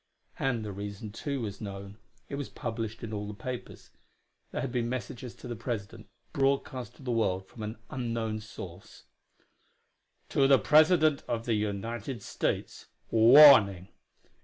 And the reason, too, was known; it was published in all the papers. There had been messages to the President, broadcast to the world from an unknown source: "To the President of the United States warning!